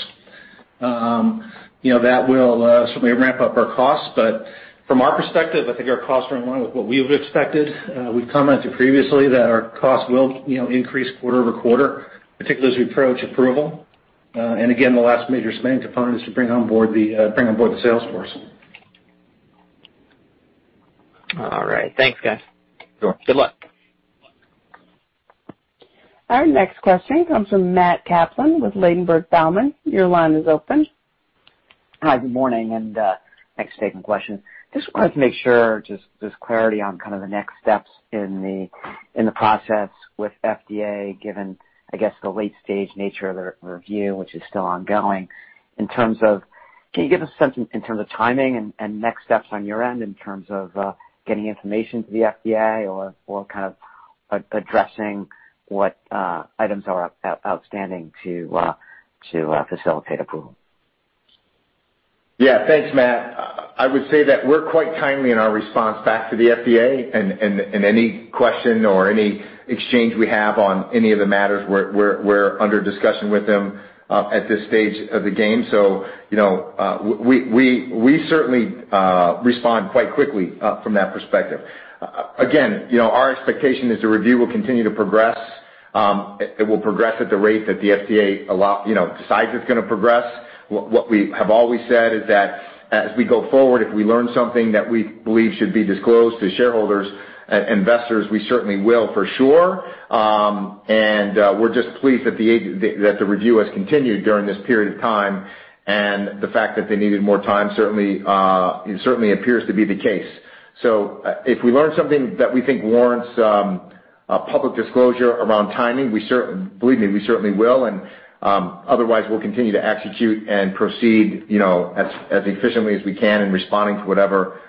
You know, that will certainly ramp up our costs. From our perspective, I think our costs are in line with what we've expected. We've commented previously that our costs will, you know, increase quarter-over-quarter, particularly as we approach approval. Again, the last major spending component is to bring on board the sales force. All right. Thanks, guys. Sure. Good luck. Good luck. Our next question comes from Matt Kaplan with Ladenburg Thalmann. Your line is open. Hi, good morning, and thanks for taking the question. Just wanted to make sure there's clarity on kind of the next steps in the process with FDA, given, I guess, the late-stage nature of the re-review, which is still ongoing. In terms of, can you give us a sense in terms of timing and next steps on your end in terms of getting information to the FDA or kind of addressing what items are outstanding to facilitate approval? Yeah. Thanks, Matt. I would say that we're quite timely in our response back to the FDA and any question or any exchange we have on any of the matters we're under discussion with them at this stage of the game. You know, we certainly respond quite quickly from that perspective. Again, you know, our expectation is the review will continue to progress. It will progress at the rate that the FDA allow, you know, decides it's gonna progress. What we have always said is that as we go forward, if we learn something that we believe should be disclosed to shareholders and investors, we certainly will for sure. We're just pleased that the review has continued during this period of time, and the fact that they needed more time certainly, it certainly appears to be the case. If we learn something that we think warrants public disclosure around timing, believe me, we certainly will. Otherwise, we'll continue to execute and proceed, you know, as efficiently as we can in responding to whatever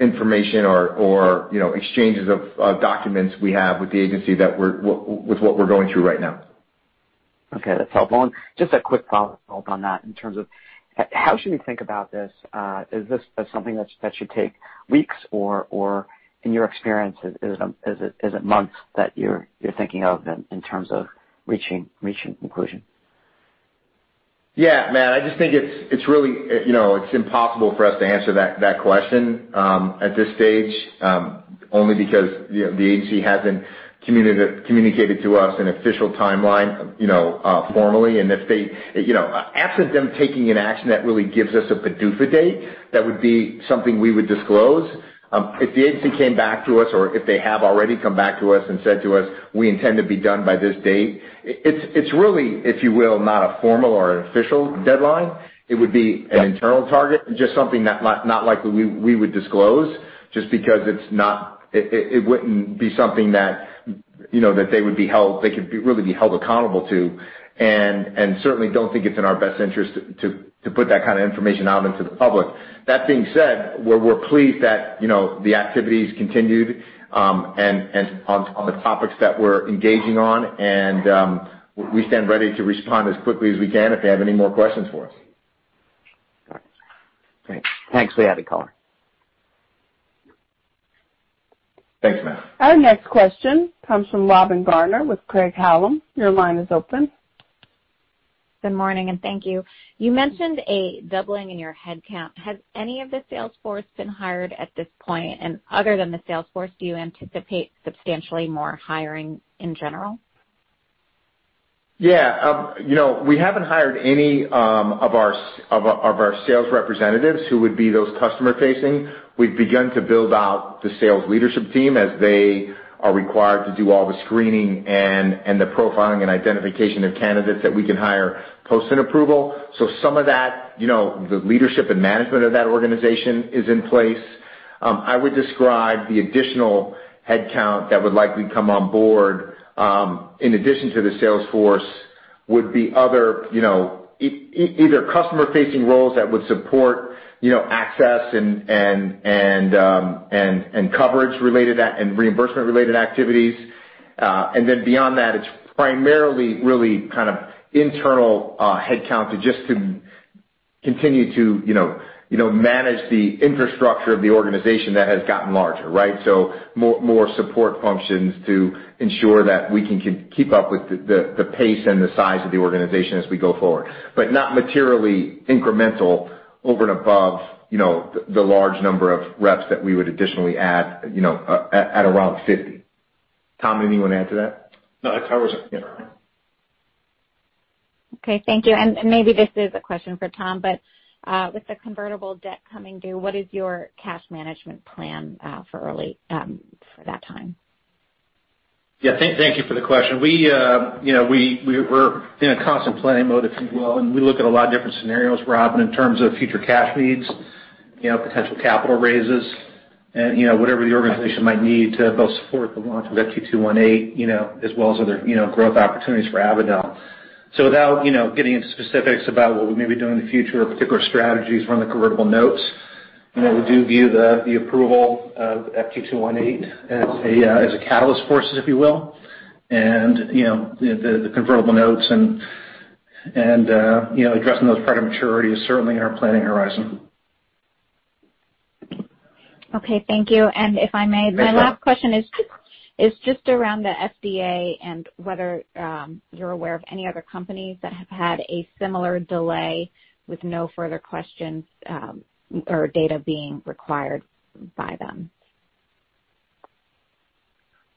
information or you know, exchanges of documents we have with the agency with what we're going through right now. Okay. That's helpful. Just a quick follow-up on that in terms of how should we think about this? Is this something that should take weeks or, in your experience, is it months that you're thinking of in terms of reaching conclusion? Yeah. Matt, I just think it's really, you know, it's impossible for us to answer that question at this stage only because, you know, the agency hasn't communicated to us an official timeline, you know, formally. Absent them taking an action that really gives us a PDUFA date, that would be something we would disclose. If the agency came back to us or if they have already come back to us and said to us, "We intend to be done by this date," it's really, if you will, not a formal or an official deadline. It would be an internal target, just something that not likely we would disclose just because it's not it wouldn't be something that, you know, that they would be held, they could really be held accountable to. Certainly don't think it's in our best interest to put that kind of information out into the public. That being said, we're pleased that, you know, the activity is continued, and on the topics that we're engaging on, and we stand ready to respond as quickly as we can if they have any more questions for us. Got it. Thanks. Thanks for the added color. Thanks, Matt. Our next question comes from Robin Garner with Craig-Hallum. Your line is open. Good morning, and thank you. You mentioned a doubling in your headcount. Has any of the sales force been hired at this point? Other than the sales force, do you anticipate substantially more hiring in general? Yeah. You know, we haven't hired any of our sales representatives who would be those customer facing. We've begun to build out the sales leadership team as they are required to do all the screening and the profiling and identification of candidates that we can hire post an approval. Some of that, you know, the leadership and management of that organization is in place. I would describe the additional headcount that would likely come on board, in addition to the sales force would be other, you know, either customer-facing roles that would support, you know, access and coverage related and reimbursement-related activities. And then beyond that, it's primarily really kind of internal headcount to continue to, you know, manage the infrastructure of the organization that has gotten larger, right? More support functions to ensure that we can keep up with the pace and the size of the organization as we go forward. Not materially incremental over and above, you know, the large number of reps that we would additionally add, you know, at around 50. Tom, anything you wanna add to that? No, that covers it. Yeah. All right. Okay. Thank you. Maybe this is a question for Tom, but with the convertible debt coming due, what is your cash management plan for that time? Yeah, thank you for the question. You know, we're in a constant planning mode, if you will. We look at a lot of different scenarios, Robin, in terms of future cash needs, you know, potential capital raises and, you know, whatever the organization might need to both support the launch of FT218, you know, as well as other, you know, growth opportunities for Avadel. Without, you know, getting into specifics about what we may be doing in the future or particular strategies around the convertible notes, you know, we do view the approval of FT218 as a catalyst for us, if you will. You know, the convertible notes and, you know, addressing those upon maturity is certainly in our planning horizon. Okay, thank you. If I may. Yes, go ahead. My last question is just around the FDA and whether you're aware of any other companies that have had a similar delay with no further questions or data being required by them.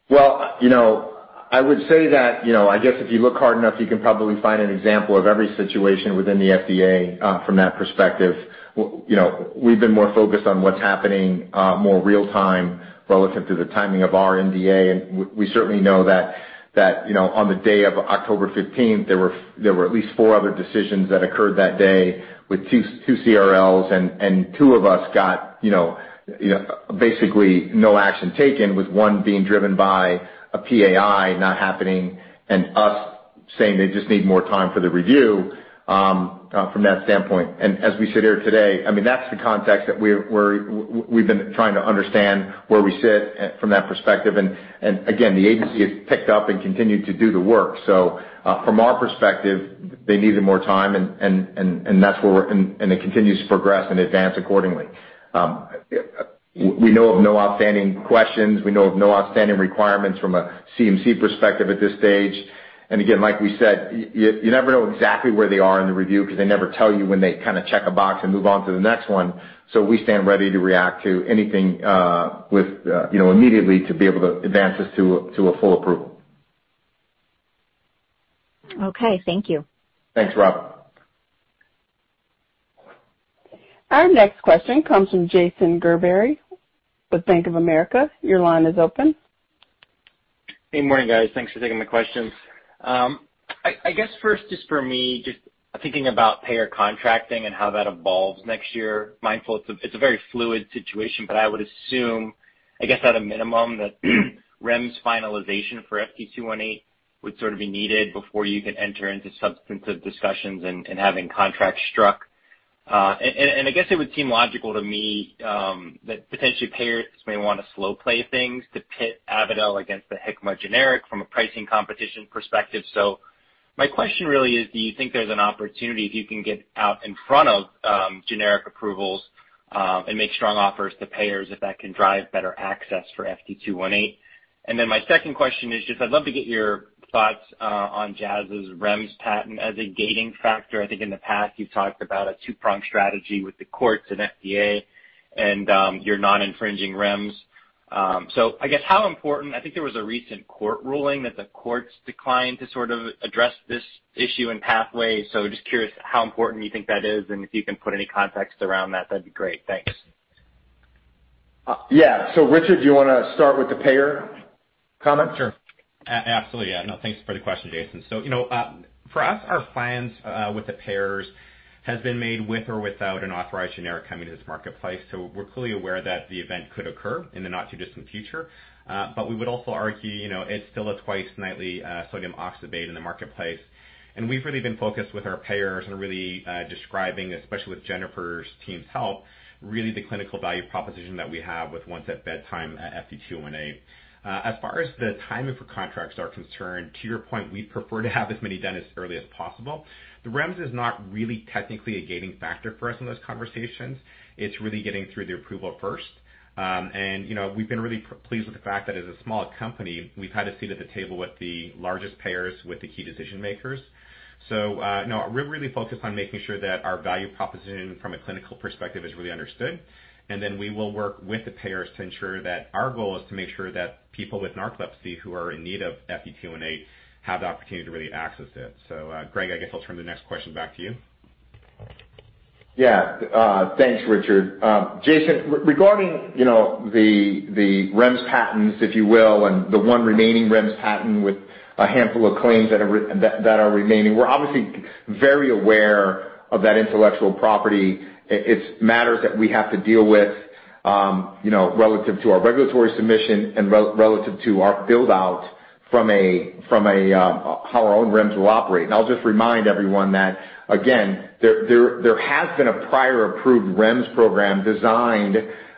Well, you know, I would say that, you know, I guess if you look hard enough, you can probably find an example of every situation within the FDA, from that perspective. You know, we've been more focused on what's happening, more real-time relative to the timing of our NDA. We certainly know that, you know, on the day of October 15th, there were at least four other decisions that occurred that day with two CRLs and two of us got, you know, basically no action taken, with one being driven by a PAI not happening and us saying they just need more time for the review, from that standpoint. As we sit here today, I mean, that's the context that we've been trying to understand where we sit from that perspective. Again, the agency has picked up and continued to do the work. From our perspective, they needed more time and that's where we are, and it continues to progress and advance accordingly. We know of no outstanding questions. We know of no outstanding requirements from a CMC perspective at this stage. Like we said, you never know exactly where they are in the review 'cause they never tell you when they kinda check a box and move on to the next one. We stand ready to react to anything, you know, immediately to be able to advance this to a full approval. Okay, thank you. Thanks, Robin. Our next question comes from Jason Gerberry with Bank of America. Your line is open. Good morning, guys. Thanks for taking the questions. I guess first, just for me, just thinking about payer contracting and how that evolves next year, mindful it's a very fluid situation, but I would assume, I guess at a minimum, that REMS finalization for FT218 would sort of be needed before you could enter into substantive discussions and having contracts struck. I guess it would seem logical to me, that potentially payers may wanna slow play things to pit Avadel against the Hikma generic from a pricing competition perspective. My question really is, do you think there's an opportunity if you can get out in front of generic approvals and make strong offers to payers if that can drive better access for FT218? My second question is just I'd love to get your thoughts on Jazz's REMS patent as a gating factor. I think in the past you've talked about a two-pronged strategy with the courts and FDA and your non-infringing REMS. I guess how important. I think there was a recent court ruling that the courts declined to sort of address this issue in Catalyst. Just curious how important you think that is, and if you can put any context around that'd be great. Thanks. Yeah. Richard, do you wanna start with the payer comment? Sure. Absolutely, yeah. No, thanks for the question, Jason. You know, for us, our plans with the payers has been made with or without an authorized generic coming to this marketplace. We're clearly aware that the event could occur in the not too distant future. We would also argue, you know, it's still a twice-nightly sodium oxybate in the marketplace. We've really been focused with our payers and really describing, especially with Jennifer's team's help, really the clinical value proposition that we have with once-at-bedtime at FT218. As far as the timing for contracts are concerned, to your point, we'd prefer to have as many done as early as possible. The REMS is not really technically a gating factor for us in those conversations. It's really getting through the approval first. You know, we've been really pleased with the fact that as a small company, we've had a seat at the table with the largest payers, with the key decision makers. Greg, I guess I'll turn the next question back to you. Thanks, Richard. Jason, regarding, you know, the REMS patents, if you will, and the one remaining REMS patent with a handful of claims that are remaining, we're obviously very aware of that intellectual property. It's matters that we have to deal with. You know, relative to our regulatory submission and relative to our build-out from a how our own REMS will operate. I'll just remind everyone that, again, there has been a prior approved REMS program designed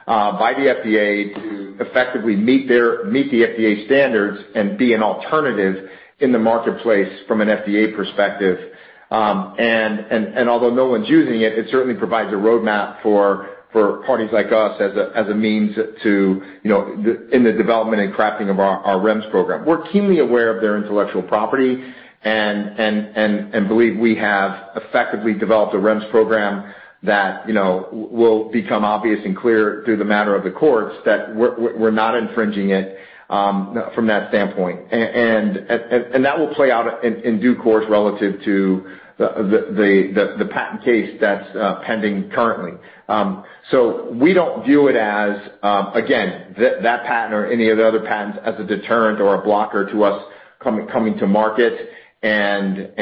by the FDA to effectively meet the FDA standards and be an alternative in the marketplace from an FDA perspective. Although no one's using it, certainly provides a roadmap for parties like us as a means to, you know, in the development and crafting of our REMS program. We're keenly aware of their intellectual property and believe we have effectively developed a REMS program that, you know, will become obvious and clear through the matter of the courts that we're not infringing it from that standpoint. That will play out in due course relative to the patent case that's pending currently. We don't view it as, again, that patent or any of the other patents as a deterrent or a blocker to us coming to market. Relative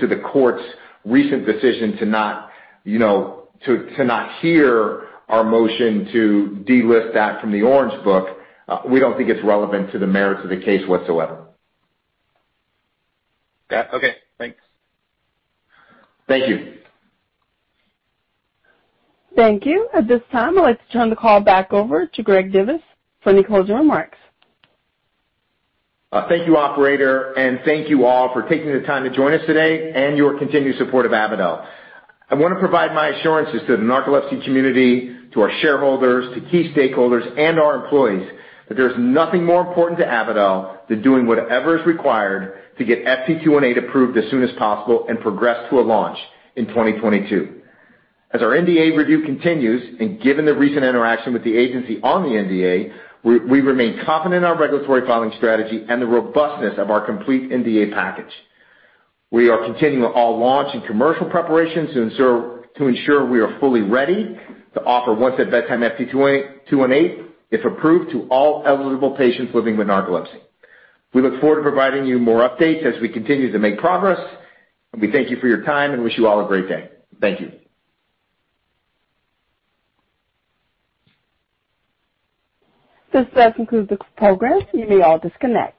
to the court's recent decision to not hear our motion to delist that from the Orange Book, we don't think it's relevant to the merits of the case whatsoever. Yeah. Okay. Thanks. Thank you. Thank you. At this time, I'd like to turn the call back over to Greg Divis for any closing remarks. Thank you, operator, and thank you all for taking the time to join us today and your continued support of Avadel. I wanna provide my assurances to the narcolepsy community, to our shareholders, to key stakeholders, and our employees that there's nothing more important to Avadel than doing whatever is required to get FT218 approved as soon as possible and progress to a launch in 2022. As our NDA review continues, and given the recent interaction with the agency on the NDA, we remain confident in our regulatory filing strategy and the robustness of our complete NDA package. We are continuing all launch and commercial preparations to ensure we are fully ready to offer once a bedtime FT218, if approved, to all eligible patients living with narcolepsy. We look forward to providing you more updates as we continue to make progress, and we thank you for your time and wish you all a great day. Thank you. This does conclude the program. You may all disconnect.